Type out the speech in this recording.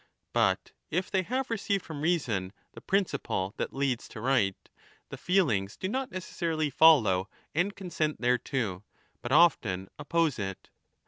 But if they have received from reason the principle that leads to right, the feelings do not necessarily follow and consent thereto, but often oppose it.